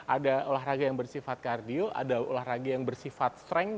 ada olahraga yang bersifat kardio ada olahraga yang bersifat strength